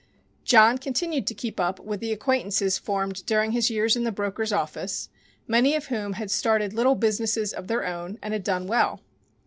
John continued to keep up with the acquaintances formed during his years in the broker's office, many of whom had started little businesses of their own and had done well.